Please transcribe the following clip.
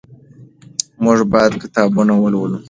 موږ باید کتابونه ولولو.